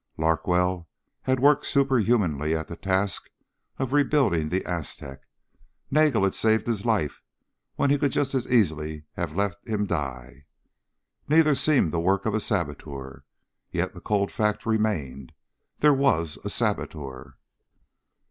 Larkwell had worked superhumanly at the task of rebuilding the Aztec Nagel had saved his life when he could just as easily have let him die. Neither seemed the work of a saboteur. Yet the cold fact remained there was a saboteur!